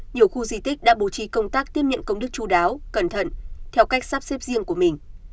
nhiều khu di tích đã bố trí công tác tiếp nhận công đức chú đáo cẩn thận theo cách sắp xếp riêng của mình